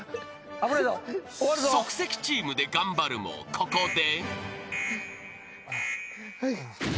［即席チームで頑張るもここで］